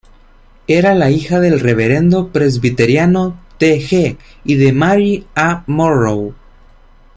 Era la hija del reverendo presbiteriano T. G. y de Mary A. Morrow.